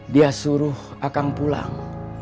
dia suruh akang pulang